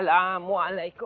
ya allah salahnya